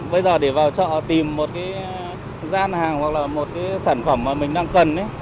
bây giờ để vào chợ tìm một cái gian hàng hoặc là một cái sản phẩm mà mình đang cần